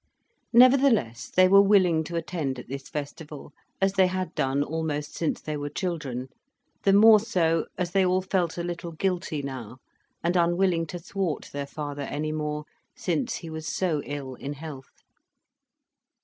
Nevertheless they were willing to attend at this festival, as they had done almost since they were children, the more so, as they all felt a little guilty now, and unwilling to thwart their father any more, since he was so ill in health.